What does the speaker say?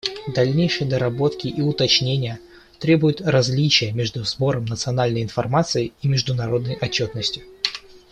Дальнейшей доработки и уточнения требует различие между сбором национальной информации и международной отчетностью.